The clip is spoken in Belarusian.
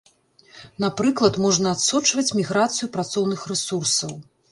Напрыклад, можна адсочваць міграцыю працоўных рэсурсаў.